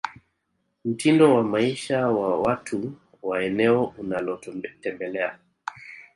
mtindo wa maisha wa watu wa eneo unalotembelea